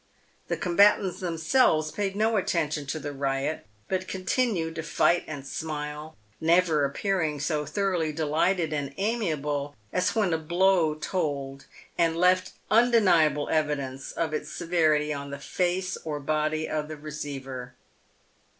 The combatants themselves paid no attention to the riot, but con tinued to fight and smile, never appearing so thoroughly delighted and amiable as when a blow told and left undeniable evidence of its severity on the face or body of the receiver.